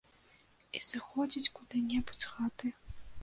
І сыходзіць куды-небудзь з хаты.